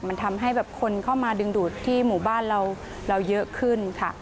มันทำให้แบบคนเข้ามาดึงดูดที่หมู่บ้านเราเยอะขึ้นค่ะ